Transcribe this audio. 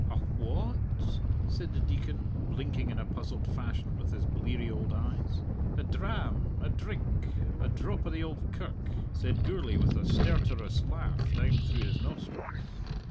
"A wha at?" said the Deacon, blinking in a puzzled fashion with his bleary old eyes. "A dram a drink a drop o' the Auld Kirk," said Gourlay, with a stertorous laugh down through his nostrils.